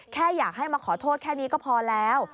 แค่อยากให้มาขอโทษแค่นี้ก็พอแล้ว